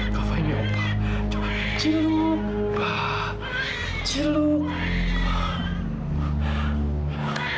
kafa kok gak bergerak